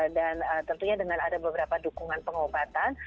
dan tentunya dengan ada beberapa dukungan pengobatan